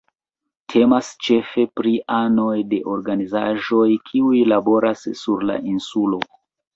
Temas ĉefe pri anoj de organizaĵoj kiuj laboras sur la insulo.